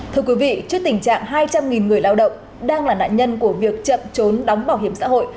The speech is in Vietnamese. thưa quý vị trước tình trạng hai trăm linh người lao động đang là nạn nhân của việc chậm trốn đóng bảo hiểm xã hội